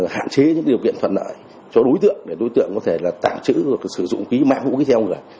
hạn chế những điều kiện thuận lợi cho đối tượng để đối tượng có thể tạm chữ và sử dụng ký mạng vũ khí theo